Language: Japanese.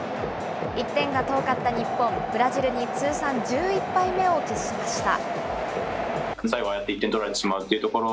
１点が遠かった日本、ブラジルに通算１１敗目を喫しました。